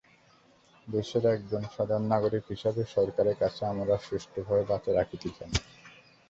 দেশের একজন সাধারণ নাগরিক হিসেবে সরকারের কাছে আমরা সুষ্ঠুভাবে বাঁচার আকুতি জানাই।